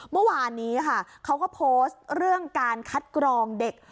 เมื่อวานนี้ค่ะเขาก็โพสต์เรื่องการคัดกรองเด็ก